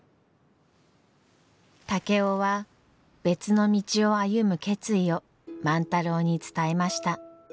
竹雄は別の道を歩む決意を万太郎に伝えました。